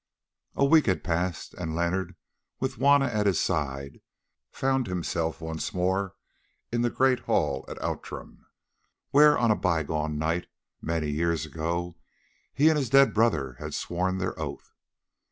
A week had passed and Leonard, with Juanna at his side, found himself once more in the great hall at Outram, where, on a bygone night, many years ago, he and his dead brother had sworn their oath.